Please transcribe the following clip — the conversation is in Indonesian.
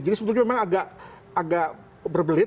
jadi sebetulnya memang agak berbelit